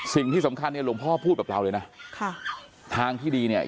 สิ่งที่สำคัญหลงท่อพูดแบบเราเลยนะทางที่ดีเนี่ย